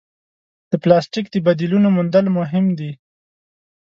د پلاسټیک د بدیلونو موندل مهم دي.